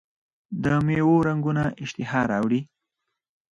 د میوو رنګونه اشتها راوړي.